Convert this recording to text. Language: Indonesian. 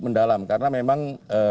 mendalam karena memang